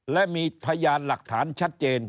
และมีพยานหลักฐานชัดเจน